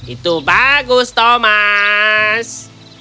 itu bagus thomas